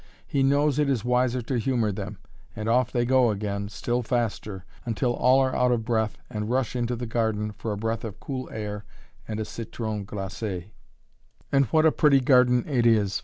He knows it is wiser to humor them, and off they go again, still faster, until all are out of breath and rush into the garden for a breath of cool air and a "citron glacé." And what a pretty garden it is!